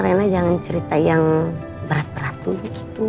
rena jangan cerita yang berat berat dulu gitu